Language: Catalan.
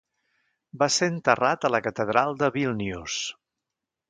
Va ser enterrat a la catedral de Vílnius.